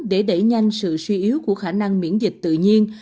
để đẩy nhanh sự suy yếu của khả năng miễn dịch tự nhiên